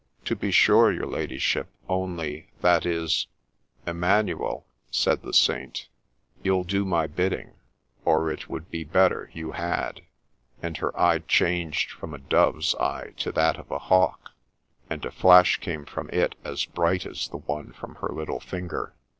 ' To be sure, your ladyship ; only — that is —'' Emmanuel,' said the saint, ' you'll do my bidding ; or it would be better you had !' and her eye changed from a dove's eye to that of a hawk, and a flash came from it as bright as the one from her little finger.